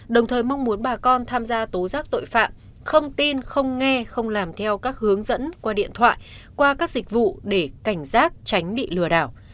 đồng thời mong muốn bà con tham gia tố giác tội phạm không tin không nghe không làm theo các hướng dẫn qua điện thoại qua các dịch vụ để cảnh giác tránh bị lừa đảo